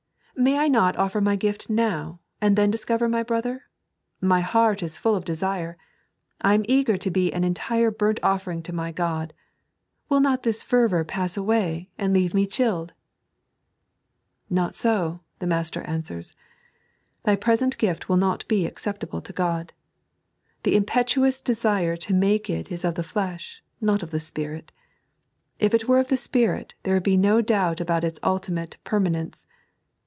"May I not ofiJer my gift now, and then discover my brother T My heart is full of desire. I am eager to be an entire bumt'ofiering to my God. Will not this fervour pass away, and leave me chilled }"" Not BO," the Master answers. " Thy present gift will not be acceptable to Okxi. The impetuous desire to make it is of the flesh, not of the Spirit. If it were of the Spirit, there would be no doubt about its ultimate per manence.